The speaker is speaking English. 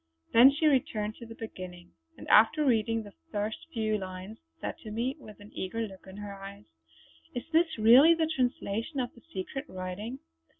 Then she returned to the beginning, and after reading the first few lines, said to me with an eager look in her eyes: "Is this really the translation of the secret writing?